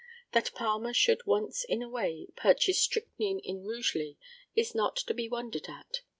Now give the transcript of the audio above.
That Palmer should once in a way purchase strychnine in Rugeley is not to be wondered at.